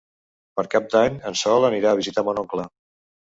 Per Cap d'Any en Sol anirà a visitar mon oncle.